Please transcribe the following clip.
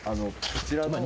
こちらの。